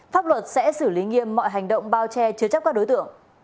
pháp luật sẽ xử lý nghiêm mọi hành động bao che chứa chấp các đối tượng